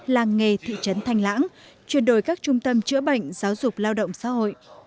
làng nghề thị trấn thanh lãng chuyển đổi các trung tâm chữa bệnh giáo dục lao động xã hội